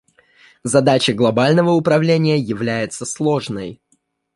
Задача глобального управления является сложной.